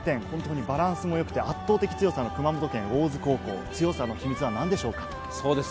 本当にバランスも良くて圧倒的強さの熊本県大津高校、強さの秘密は何でしょうか？